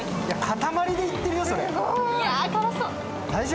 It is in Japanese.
塊でいってるよ、それ。